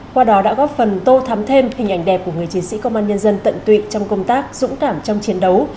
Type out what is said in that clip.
qua đó đã góp phần tô thắm thêm hình ảnh đẹp của người chiến sĩ công an nhân dân tận tụy trong công tác dũng cảm trong chiến đấu